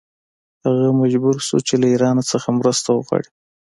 هغه مجبور شو چې له ایران څخه مرسته وغواړي.